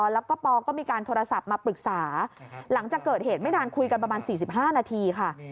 แล้วก็ปอก็มีการโทรศัพท์มาปรึกษาหลังจากเกิดเหตุไม่นานคุยกันประมาณ๔๕นาทีค่ะ